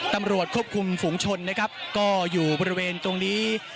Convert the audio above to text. ตำรวจควบคุมฝุงชนนะครับก็อยู่บริเวณตรงนี้